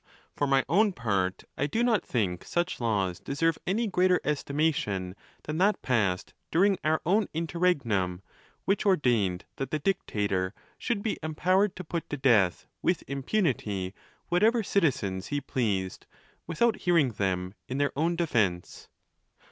For my own part, I do not think such laws deserve any greater estimation than that passed during our own inter ON THE LAWS. 417 regnum, which ordained that the dictator should be em powered to put to death with impunity whatever citizens he pleased, without hearing them in their own defence.